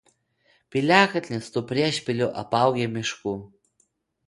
Piliakalnis su priešpiliu apaugę mišku.